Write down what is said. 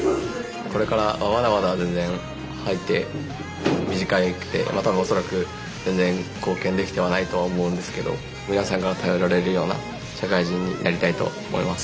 これからまだまだ全然入って短くて多分恐らく全然貢献できてはないとは思うんですけど皆さんから頼られるような社会人になりたいと思います。